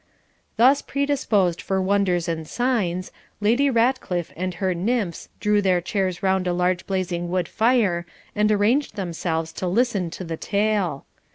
Thus predisposed for wonders and signs, Lady Ratcliff and her nymphs drew their chairs round a large blazing wood fire and arranged themselves to listen to the tale.